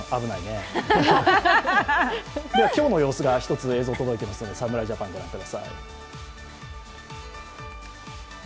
今日の様子が１つ映像届いていますので、侍ジャパン、ご覧ください。